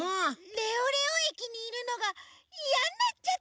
レオレオ駅にいるのがいやになっちゃったとか？